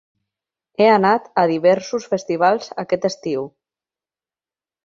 He anat a diversos festivals aquest estiu.